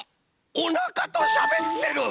おなかとしゃべってる！